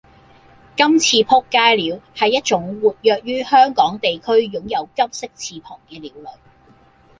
「金翅仆街鳥」係一種活躍於香港地區擁有金色翅膀嘅鳥類